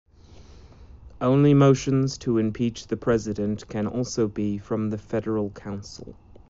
Only motions to impeach the President can also be from the Federal Council.